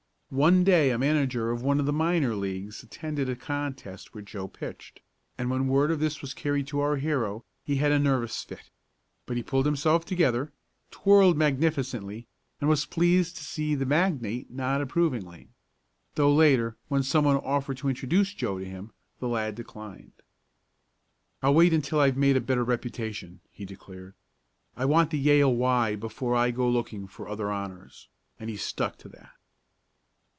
One day a manager of one of the minor leagues attended a contest where Joe pitched, and when word of this was carried to our hero he had a nervous fit. But he pulled himself together, twirled magnificently, and was pleased to see the "magnate" nod approvingly. Though later, when someone offered to introduce Joe to him, the lad declined. "I'll wait until I've made a better reputation," he declared. "I want the Yale Y before I go looking for other honors;" and he stuck to that.